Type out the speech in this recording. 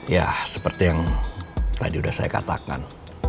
ya seperti yang tadi sudah saya katakan